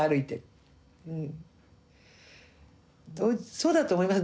そうだと思います。